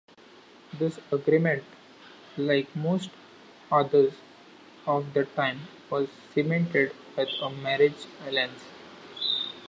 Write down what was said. This agreement, like most others of the time, was cemented with a marriage alliance.